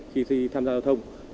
khi tham gia giao thông